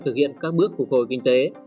thực hiện các bước phục hồi kinh tế